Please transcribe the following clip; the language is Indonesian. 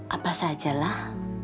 apa saja lah